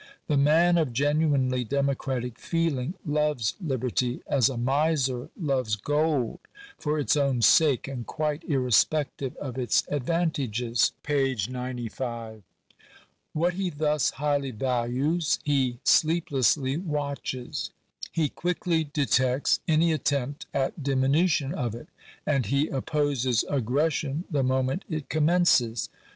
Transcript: The man of genuinely democratic feeling loves liberty as a miser loves gold, for its own sake and quite irrespective of its advan tages (p. 95). What he thus highly values he sleeplessly watches ; he quickly detects any attempt at diminution of it ; and he opposes aggression the moment it commences.